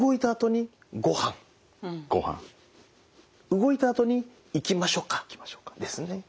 動いたあとに「行きましょうか」ですね。